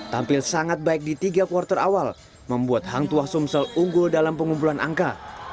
tampil sangat baik di tiga kuartal awal membuat hang tua sumsel unggul dalam pengumpulan angka